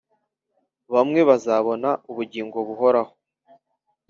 Bmwe bazabona ubugingo buhoraho